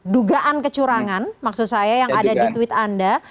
dugaan kecurangan maksud saya yang ada di tweet anda